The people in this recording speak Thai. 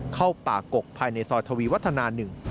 เข้าป่ากกภายในซอยทวีวัฒนา๑